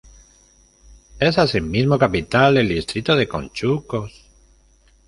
Es asimismo capital del distrito de Conchucos.